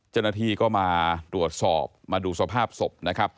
เจ้าหน้าที่ก็มาตรวจสอบมาดูสภาพศพนะครับ